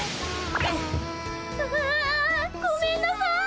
ああごめんなさい。